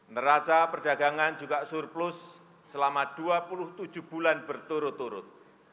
neraca perdagangan juga surplus selama dua puluh tujuh bulan berturut turut